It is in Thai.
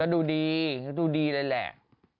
ก็ดูดีเลยแหละ